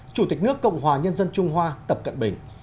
chủ tịch nước cộng hòa nhân dân trung hoa tập cận bình